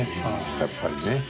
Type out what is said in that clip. やっぱりね。